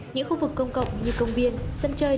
những khu vực công cộng như công viên sân chơi